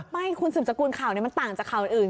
ไม่คุณสืบสกุลข่าวนี้มันต่างจากข่าวอื่น